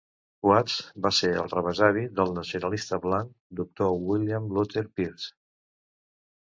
Watts va ser el rebesavi del nacionalista blanc Doctor William Luther Pierce.